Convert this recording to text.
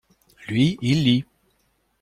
Lui, il lit.